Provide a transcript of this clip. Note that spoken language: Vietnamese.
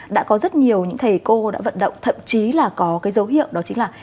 đã có rất nhiều những thầy cô đã vận động thậm chí là có cái dấu hiệu đó chính là